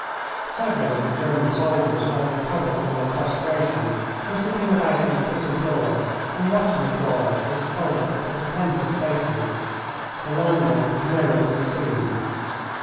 Several of the German soldiers who had recovered from their prostration were sitting about on the kitchen floor and watching the quarrel with stolid, but attentive, faces. The landlord was nowhere to be seen.